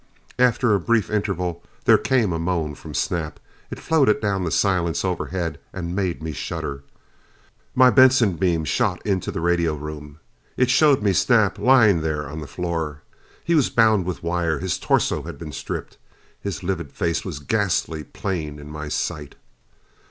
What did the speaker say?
After a brief interval, there came a moan from Snap. It floated down the silence overhead and made me shudder. My Benson beam shot into the radio room. It showed me Snap lying there on the floor. He was bound with wire. His torso had been stripped. His livid face was ghastly plain in my light.